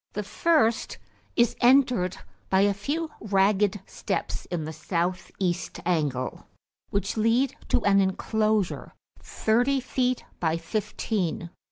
The first is entered by a few ragged steps in the south east angle, which lead to an enclosure thirty feet by fifteen.